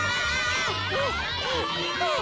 はあはあはあ。